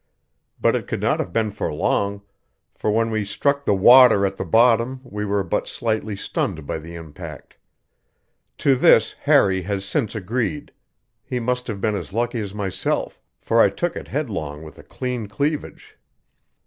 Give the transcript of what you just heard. But it could not have been for long, for when we struck the water at the bottom we were but slightly stunned by the impact. To this Harry has since agreed; he must have been as lucky as myself, for I took it headlong with a clean cleavage.